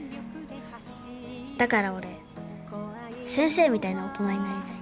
だから俺先生みたいな大人になりたい。